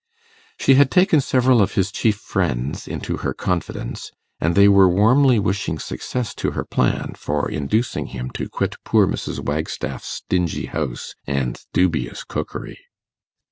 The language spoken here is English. She had taken several of his chief friends into her confidence, and they were warmly wishing success to her plan for inducing him to quit poor Mrs. Wagstaff's dingy house and dubious cookery.